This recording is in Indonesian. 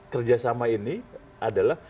kerjasama ini adalah